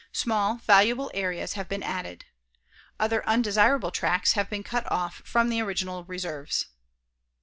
Small, valuable areas have been added. Other undesirable tracts have been cut off from the original reserves.